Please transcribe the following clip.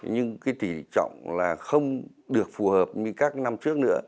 nhưng tỉ trọng không được phù hợp như các năm trước nữa